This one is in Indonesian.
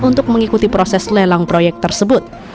untuk mengikuti proses lelang proyek tersebut